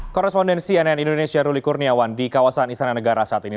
korespondensi nn indonesia ruli kurniawan di kawasan istana negara saat ini